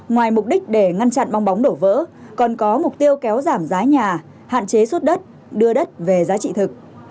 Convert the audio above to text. ngoài mục đích để ngăn chặn bong bóng đổ vỡ còn có mục tiêu kéo giảm giá nhà hạn chế suốt đất đưa đất về giá trị thực